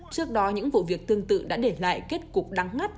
trước đó những vụ việc tương tự đã để lại kết cục đáng ngắt